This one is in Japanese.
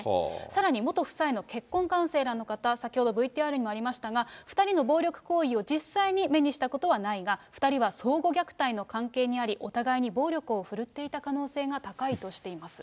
さらに元夫妻の結婚カウンセラーの方、先ほど、ＶＴＲにもありましたが、２人の暴力行為を実際に目にしたことはないが、２人は相互虐待の関係にあり、お互いに暴力を振るっていた可能性が高いとしています。